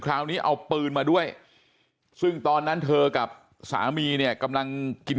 คราวนี้เอาปืนมาด้วยซึ่งตอนนั้นเธอกับสามีเนี่ยกำลังกิน